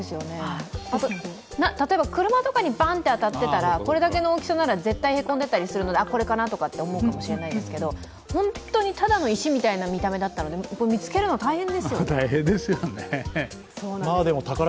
あと、例えば車とかにバンと当たってたらこれだけの大きさなら絶対へこんでいたりするのでこれかなとか思うかもしれないですけど、本当にただの石みたいな見た目だったので見つけるの大変ですよね。